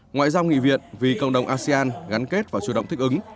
ngoại giao nghị viện vì cộng đồng asean gắn kết và chủ động thích ứng